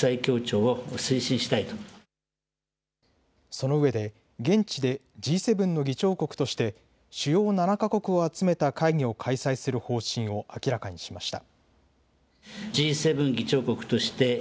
そのうえで現地でＧ７の議長国として主要７か国を集めた会議を開催する方針を明らかにしました。